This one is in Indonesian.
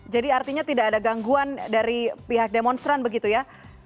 jadi artinya tidak ada gangguan dari pihak demonstran begitu ya